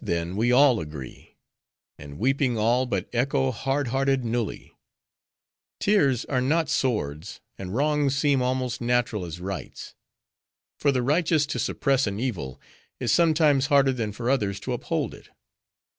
"Thus then we all agree; and weeping all but echo hard hearted Nulli. Tears are not swords and wrongs seem almost natural as rights. For the righteous to suppress an evil, is sometimes harder than for others to uphold it.